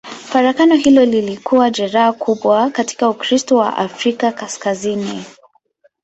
Farakano hilo lilikuwa jeraha kubwa katika Ukristo wa Afrika Kaskazini.